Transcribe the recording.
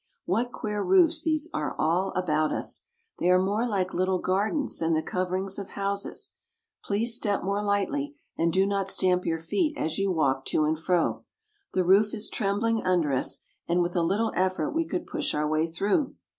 What queer roofs these are all about us! They are more like little gardens than the coverings of houses. Please step more lightly, and do not stamp your feet as you walk to and fro. The roof is trembling under us, and with a little effort we could push our way through.